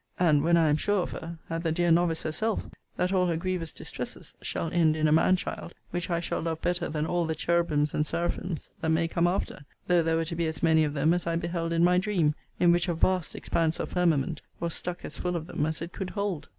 and (when I am sure of her) at the dear novice herself, that all her grievous distresses shall end in a man child; which I shall love better than all the cherubims and seraphims that may come after; though there were to be as many of them as I beheld in my dream; in which a vast expanse of firmament was stuck as full of them as it could hold!